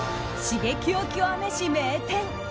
刺激を極めし名店。